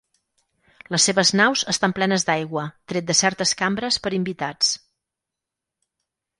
Les seves naus estan plenes d'aigua tret de certes cambres per invitats.